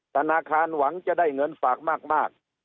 ธนาคารหวังจะได้เงินฝากมาก